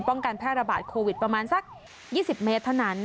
ป้องกันแพร่ระบาดโควิดประมาณสัก๒๐เมตรเท่านั้น